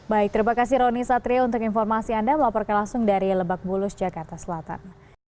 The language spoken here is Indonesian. baik terima kasih roni satria untuk informasi anda melaporkan langsung dari lebak bulus jakarta selatan